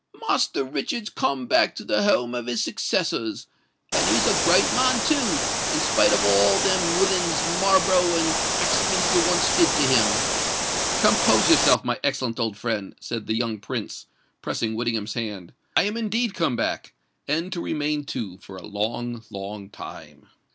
"Master Richard's come back to the home of his successors; and he's a great man too—in spite of all that them willains Marlborough and Axminster once did to him!" "Compose yourself, my excellent old friend," said the young Prince, pressing Whittingham's hand: "I am indeed come back—and to remain, too, for a long—long time."